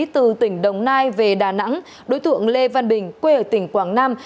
từ tỉnh đồng nai về đà nẵng đối tượng lê văn bình quê ở tỉnh quảng nam